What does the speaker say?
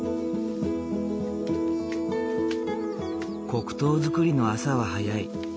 黒糖作りの朝は早い。